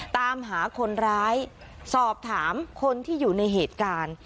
ตามหาคนร้ายสอบถามคนที่อยู่ในเหตุการณ์